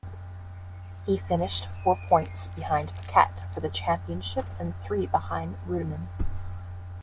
He finished four points behind Piquet for the championship and three behind Reutemann.